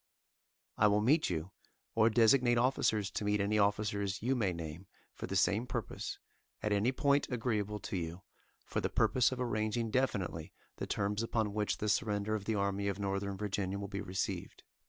I will meet you, or designate officers to meet any officers you may name for the same purpose, at any point agreeable to you, for the purpose of arranging definitely the terms upon which the surrender of the Army of Northern Virginia will be received.